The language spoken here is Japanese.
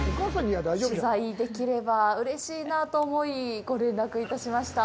取材できればうれしいなと思いご連絡いたしました。